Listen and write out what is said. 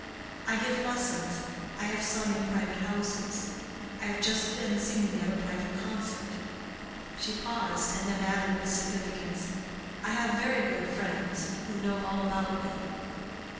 "I give lessons. I have sung in private houses. I have just been singing at a private concert." She paused, and then added, with significance, "I have very good friends, who know all about me."